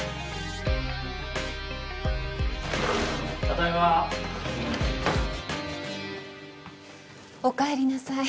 ただいまおかえりなさい